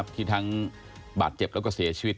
ที่ทั้งบาดเจ็บแล้วก็เสียชีวิต